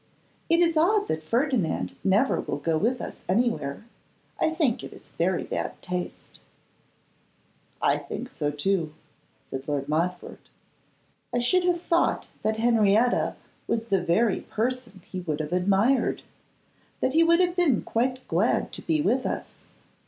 'It is odd that Ferdinand never will go with us anywhere. I think it is very bad taste.' 'I think so too,' said Lord Montfort. 'I should have thought that Henrietta was the very person he would have admired; that he would have been quite glad to be with us.